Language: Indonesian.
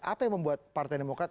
apa yang membuat partai demokrat